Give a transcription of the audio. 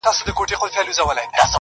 پر ده به نو ايله پدر لعنت له مينې ژاړي~